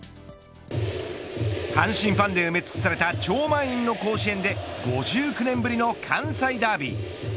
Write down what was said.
阪神ファンで埋め尽くされた超満員の甲子園で５９年ぶりの関西ダービー。